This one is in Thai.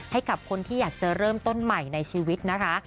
ให้กับคนที่อยากจะเริ่มต้นใหม่ในชีวิตนะคะ